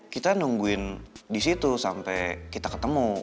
kita nungguin disitu sampe kita ketemu